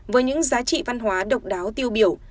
với những giá trị văn hóa độc đáo tiêu biểu